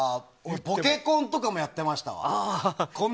ポケコンとかもやってましたわ。